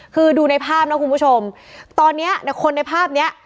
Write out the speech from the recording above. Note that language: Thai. คือดูในภาพนะคุณผู้ชมตอนเนี้ยคนในภาพเนี้ย